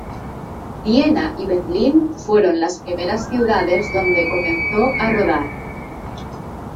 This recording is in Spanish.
Viena y Berlín fueron las primeras ciudades donde comenzó a rodar.